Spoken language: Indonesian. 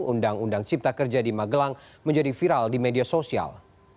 undang undang cipta kerja di magelang menjadi viral di media sosial